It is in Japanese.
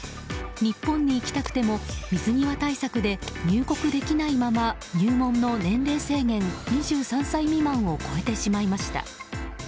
日本に行きたくても水際対策で入国できないまま入門の年齢制限の２３歳未満を超えてしまいました。